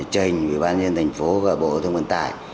trình bởi ban nhân thành phố và bộ giao thông vận tải